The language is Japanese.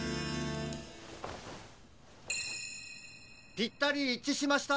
ぴったりいっちしました。